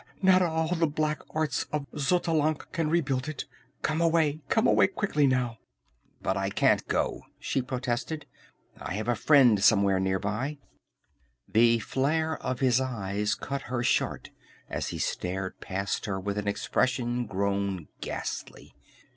Not all the black arts of Xotalanc can rebuild it! Come away! Come away quickly, now!" "But I can't go," she protested. "I have a friend somewhere near by " The flare of his eyes cut her short as he stared past her with an expression grown ghastly.